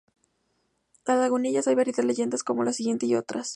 En Lagunillas, hay variadas leyendas como la siguiente y otras.